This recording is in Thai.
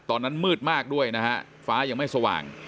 ตอนนั้นมืดมากด้วยนะฮะฟ้ายังไม่สว่าง